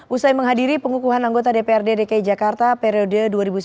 usai menghadiri pengukuhan anggota dprd dki jakarta periode dua ribu sembilan belas dua ribu dua